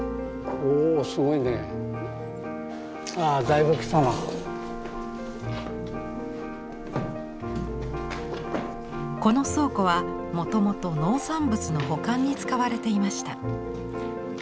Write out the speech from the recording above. この倉庫はもともと農産物の保管に使われていました。